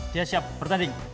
dia siap bertanding